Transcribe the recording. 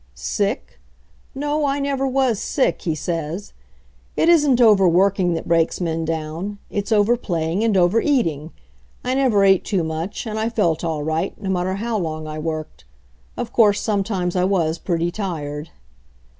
"Sick? No, I never was sick," he says. "It isn't overworking that breaks men down; it's overplaying and overeating. I never ate too much, and I felt all right, no matter how long I worked. Of course, sometimes I was pretty tired."